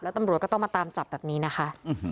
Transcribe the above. ตำรวจก็ต้องมาตามจับแบบนี้นะคะ